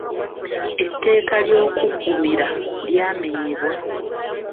Etteeka ly’okuggumira lyamenyebwa.